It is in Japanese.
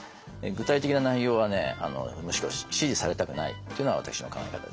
具体的な内容はむしろ指示されたくないっていうのが私の考え方です。